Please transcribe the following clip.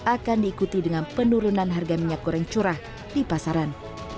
akan diikuti dengan penurunan harga minyak goreng curah di pasaran